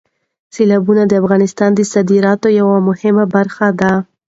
سیلابونه د افغانستان د صادراتو یوه مهمه برخه ده.